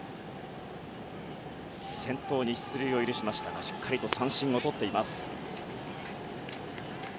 先頭に出塁を許しましたがしっかり三振をとっています。